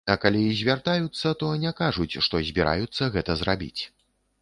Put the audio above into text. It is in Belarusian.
А калі і звяртаюцца, то не кажуць, што збіраюцца гэта зрабіць.